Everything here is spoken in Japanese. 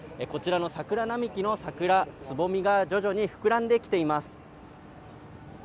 こちらの桜並木の桜、つぼみが徐々に膨らんできています。